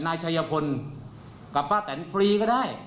นายชัยพลกับป้าแตนฟรีก็ได้